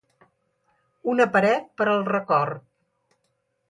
una paret per al record